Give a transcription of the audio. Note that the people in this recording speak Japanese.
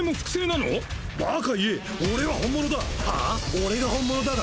俺が本物だが？